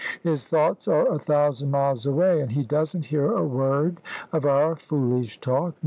His thoughts are a thousand miles away, and he doesn't hear a word of our foolish talk.